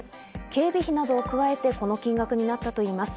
警備費などを加えて、この金額になったといいます。